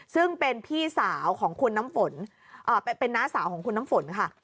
ซึ่งเป็นพี่สาวของคุณน้ำฝนเป็นน้าสาวของคุณน้ำฝนค่ะ